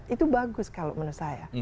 itu bagus kalau menurut saya